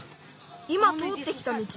いまとおってきたみち？